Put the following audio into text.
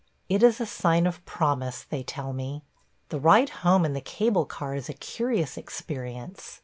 It is a sign of promise, they tell me. The ride home in the cable car is a curious experience.